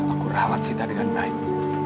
aku rawat sita dengan baik